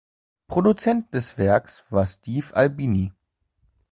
Produzent des Werks war Steve Albini.